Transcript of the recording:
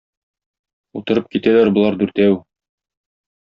Утырып китәләр болар дүртәү.